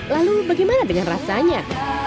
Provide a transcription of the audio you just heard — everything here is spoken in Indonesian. lalu bagaimana dengan rasanya